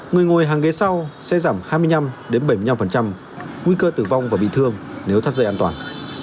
người ngồi hàng ghế sau sẽ giảm hai mươi năm bảy mươi năm nguy cơ tử vong và bị thương nếu thắt dây an toàn